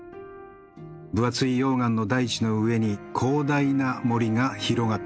分厚い溶岩の大地の上に広大な森が広がっています。